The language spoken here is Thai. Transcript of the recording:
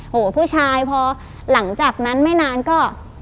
โหผู้ชายพอหลังจากนั้นไม่นานก็